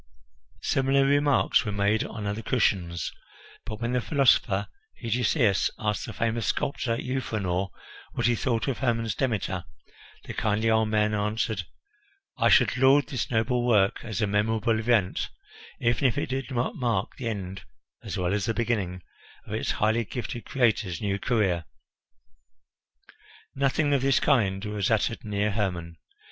Similar remarks were made on other cushions; but when the philosopher Hegesias asked the famous sculptor Euphranor what he thought of Hermon's Demeter, the kindly old man answered, "I should laud this noble work as a memorable event, even if it did not mark the end, as well as the beginning, of its highly gifted creator's new career." Nothing of this kind was uttered near Hermon.